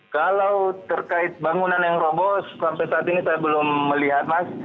kalau terkait bangunan yang robo sampai saat ini saya belum melihat mas